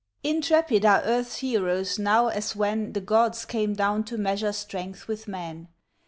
Intrepid are earth's heroes now as when The gods came down to measure strength with men.